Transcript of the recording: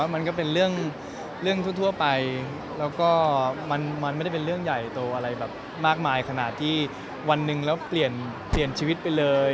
มันก็เป็นเรื่องทั่วไปแล้วก็มันไม่ได้เป็นเรื่องใหญ่โตอะไรแบบมากมายขนาดที่วันหนึ่งแล้วเปลี่ยนเปลี่ยนชีวิตไปเลย